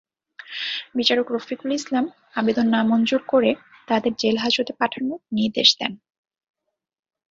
বিচারক রফিকুল ইসলাম আবেদন নামঞ্জুর করে তাঁদের জেলহাজতে পাঠানোর নির্দেশ দেন।